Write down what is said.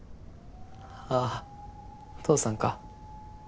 ああ父さんか。